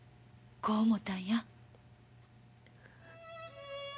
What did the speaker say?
こう思たんや。